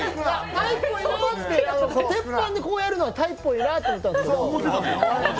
タイっぽいなって、鉄板でこうやるのがタイっぽいなと思ったんですけど。